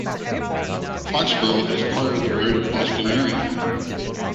Foxborough is part of the Greater Boston area.